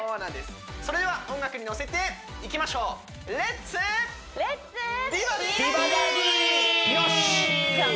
それでは音楽にのせていきましょうよしっ！